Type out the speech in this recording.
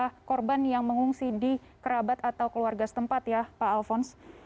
ada korban yang mengungsi di kerabat atau keluarga setempat ya pak alphonse